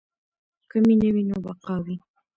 که مینه وي نو بقا وي.